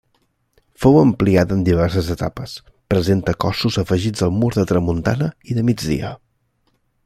Fou ampliada en diverses etapes, presenta cossos afegits al mur de tramuntana i de migdia.